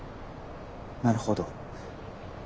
なるほど。